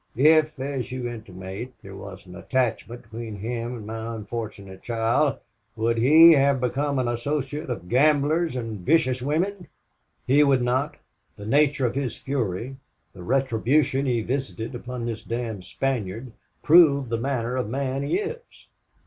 If as you intimate there was an attachment between him and my unfortunate child, would he have become an associate of gamblers and vicious women?" "He would not. The nature of his fury, the retribution he visited upon this damned Spaniard, prove the manner of man he is."